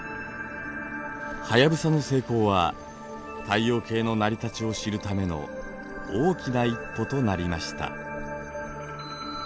「はやぶさ」の成功は太陽系の成り立ちを知るための大きな一歩となりました。